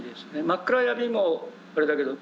真っ暗闇もあれだけど。